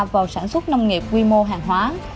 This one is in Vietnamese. vào sản xuất nông nghiệp quy mô hàng hóa